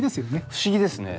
不思議ですねえ。